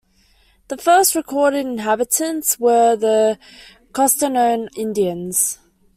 The first recorded inhabitants were the Costanoan Indians.